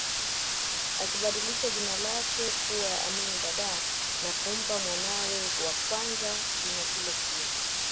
Akibadilisha jina lake kuwa Amin Dada na kumpa mwanawe wa kwanza jina hilo pia